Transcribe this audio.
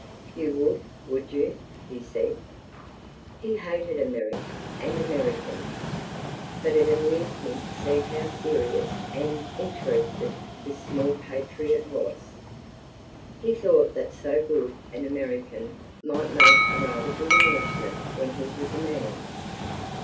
"You would, would you?" he said. He hated America and Americans, but it amused him to see how serious and interested this small patriot was. He thought that so good an American might make a rather good Englishman when he was a man.